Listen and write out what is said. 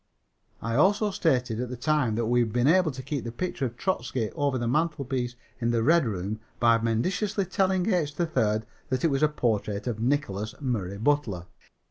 I also stated at the time that we had been able to keep the picture of Trotzky over the mantelpiece in the red room by mendaciously telling H. 3rd that it was a portrait of Nicholas Murray Butler.